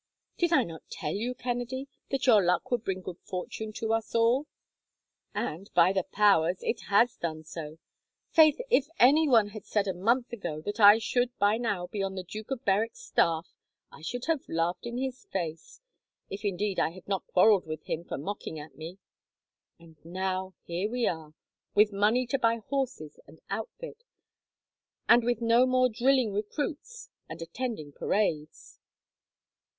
"Did I not tell you, Kennedy, that your luck would bring good fortune to us all! And, by the powers, it has done so! Faith, if anyone had said a month ago that I should by now be on the Duke of Berwick's staff, I should have laughed in his face, if indeed I had not quarrelled with him for mocking at me. And now here we are, with money to buy horses and outfit, and with no more drilling recruits and attending parades."